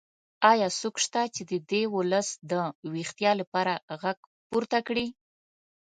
ایا څوک شته چې د دې ولس د ویښتیا لپاره غږ پورته کړي؟